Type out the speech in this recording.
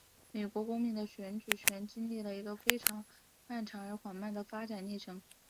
美国公民的选举权经历了一个非常漫长而且缓慢的发展历程。